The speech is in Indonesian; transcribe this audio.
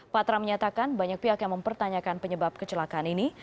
patra menyatakan banyak pihak yang mempertanyakan penyebab kecelakaan ini